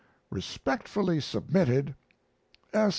Respectfully submitted, S.